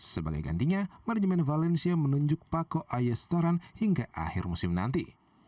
sebagai gantinya manajemen valencia menunjuk paco ayastaran hingga akhir musim nanti